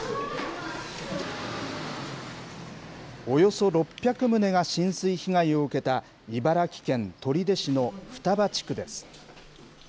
およそ６００棟が浸水被害を受けた、茨城県取手市の双葉地区です。